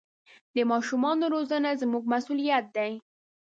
د ماشومانو روزنه زموږ مسوولیت دی.